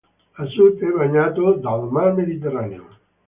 A sud è bagnato dal Mar Mediterraneo.